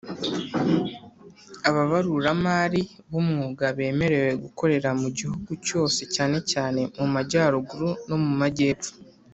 ababaruramari bu mwuga bemerewe gukorera mu gihugu cyose cyane cyane mu majyaruguru no mu majyepfo